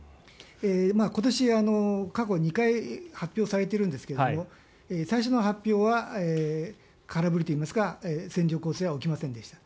今年、過去２回発表されているんですが最初の発表は空振りといいますか線状降水帯は起きませんでした。